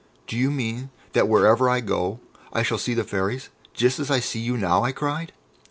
"Do you mean that wherever I go I shall see the Fairies, just as I see you now?" I cried.